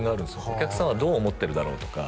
お客さんはどう思ってるだろうとか